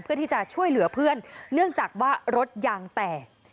เพื่อที่จะช่วยเหลือเพื่อนเนื่องจากว่ารถยางแตก